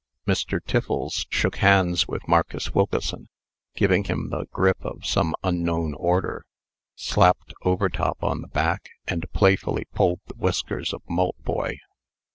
Mr. Tiffles shook hands with Marcus Wilkeson, giving him the grip of some unknown Order, slapped Overtop on the back, and playfully pulled the whiskers of Maltboy.